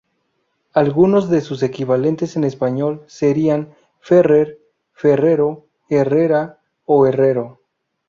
Algunos de su equivalentes en español serían Ferrer, Ferrero, Herrera o Herrero.